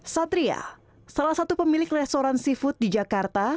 satria salah satu pemilik restoran seafood di jakarta